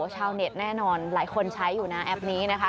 ชาวเน็ตแน่นอนหลายคนใช้อยู่นะแอปนี้นะคะ